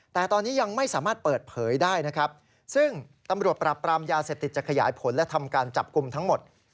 แต่ตอนนี้ยังไม่สามารถเปิดเผยได้นะครับซึ่งตำรวจปรับปรามยาเสพติดจะขยายผลและทำการจับกลุ่มทั้งหมด